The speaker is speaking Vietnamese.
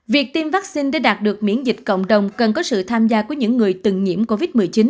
việc tiêm vaccine để đạt được miễn dịch cộng đồng cần có sự tham gia của những người từng nhiễm covid một mươi chín